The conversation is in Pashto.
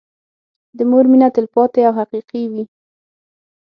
د مور مينه تلپاتې او حقيقي وي.